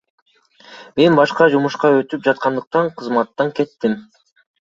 Мен башка жумушка өтүп жаткандыктан кызматтан кеттим.